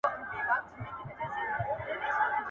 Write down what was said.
دا انصاف نه دی چي ماته په هغه شېبه درېږې !.